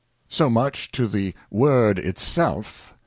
So much to the Word it self.